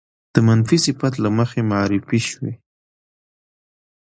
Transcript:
د منفي صفت له مخې معرفې شوې